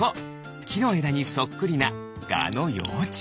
きのえだにそっくりなガのようちゅう。